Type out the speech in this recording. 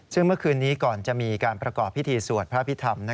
ซึ่งเมื่อคืนนี้ก่อนจะมีการประกอบพิธีสวดพระพิธรรม